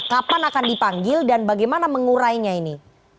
kapan akan dipanggil dan bagaimana mengurainya ini